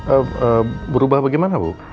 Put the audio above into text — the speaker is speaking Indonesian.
eee berubah bagaimana bu